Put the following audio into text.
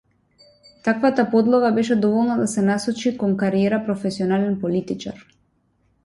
Таквата подлога беше доволна да се насочи кон кариерата професионален политичар.